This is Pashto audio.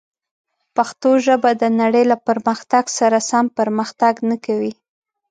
پښتو ژبه د نړۍ له پرمختګ سره سم پرمختګ نه کوي.